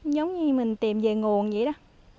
giống như mình tìm về nguồn vậy đó